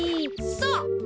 そう！